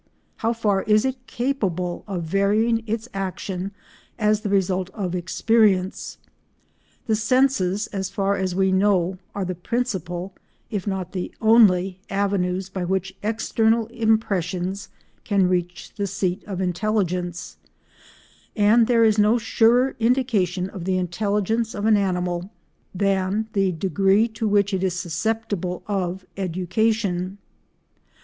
How far is it capable of varying its action as the result of experience? The senses, as far as we know, are the principal—if not the only—avenues by which external impressions can reach the seat of intelligence, and there is no surer indication of the intelligence of an animal than the degree to which it is susceptible of education.